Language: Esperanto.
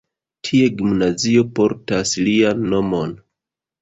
Tie gimnazio portas lian nomon.